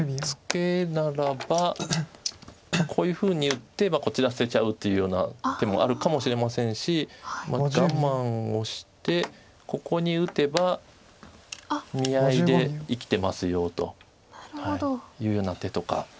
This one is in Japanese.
ツケならばこういうふうに打ってこちら捨てちゃうというような手もあるかもしれませんし我慢をしてここに打てば見合いで生きてますよというような手とか。